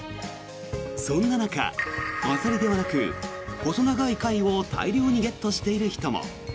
そんな中、アサリではなく細長い貝を大量にゲットしている人も。